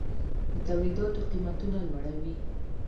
د تولیداتو قیمتونه لوړوي.